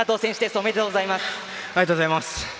おめでとうございます。